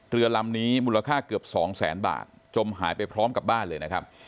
เรือลำนี้มูลค่าเกือบสองแสนบาทจมหายไปพร้อมกับบ้านเลยนะครับ